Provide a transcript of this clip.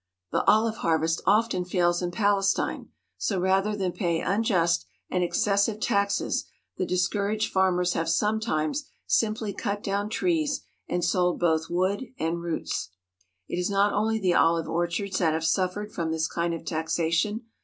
The olive harvest often fails in Palestine, so rather than pay unjust and excessive taxes the discouraged farmers have sometimes simply cut down trees and sold both wood and roots. It is not only the olive orchards that have suffered from this kind of taxation.